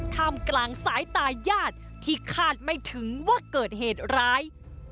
ท่ามกลางสายตายาดที่คาดไม่ถึงว่าเกิดเหตุร้าย